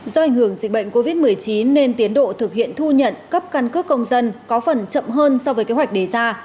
do ảnh hưởng dịch bệnh covid một mươi chín nên tiến độ thực hiện thu nhận cấp căn cước công dân có phần chậm hơn so với kế hoạch đề ra